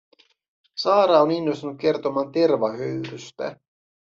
Saara on innostunut kertomaan tervahöyrystä.